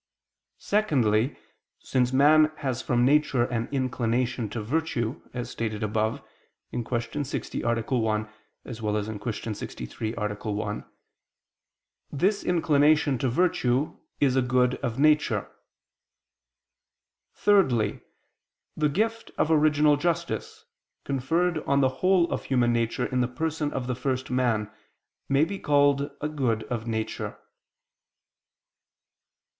Secondly, since man has from nature an inclination to virtue, as stated above (Q. 60, A. 1; Q. 63, A. 1), this inclination to virtue is a good of nature. Thirdly, the gift of original justice, conferred on the whole of human nature in the person of the first man, may be called a good of nature.